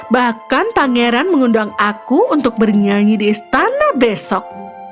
bahkan pangeran mengundang aku untuk bernyanyi di istana besok